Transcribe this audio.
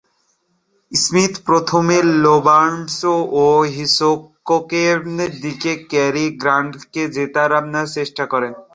Smith প্রথমে Lombard ও হিচকককে দিয়ে ক্যারি গ্র্যান্টকে জেতানোর চেষ্টা করেন।